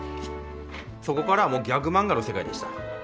そこからはもうギャグ漫画の世界でした。